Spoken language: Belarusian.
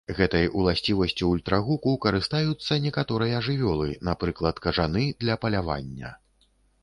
Гэтай уласцівасцю ультрагуку карыстаюцца некаторыя жывёлы, напрыклад, кажаны для палявання.